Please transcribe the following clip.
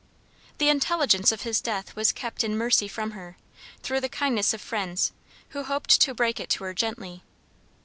The intelligence of his death was kept in mercy from her, through the kindness of friends, who hoped to break it to her gently.